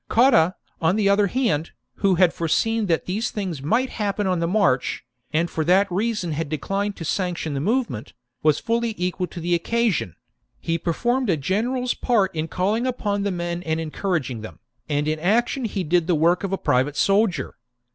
Cotta, on the other hand, who had foreseen , that these things might happen on the march, and for that reason had declined to sanction the movement, w^as fully equal to the occasion : he performed a general's part in calling upon the men and encour aging them, and in action he did the work of a private soldier.